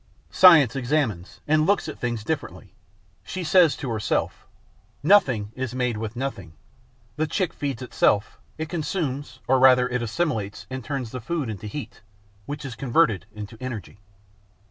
Science examines and looks at things differently. She says to herself: 'Nothing is made with nothing. The chick feeds itself; it consumes or rather it assimilates and turns the food into heat, which is converted into energy.'